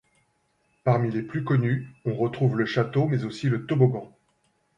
Parmi les plus connus, on retrouve le château mais aussi le toboggan.